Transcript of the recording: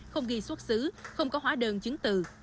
không ghi xuất xứ không có hóa đơn chứng từ